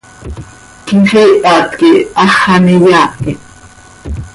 Quixiihat quih hax an iyaahit.